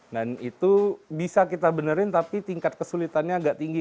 dan itu bisa kita benerin tapi tingkat kesulitannya agak tinggi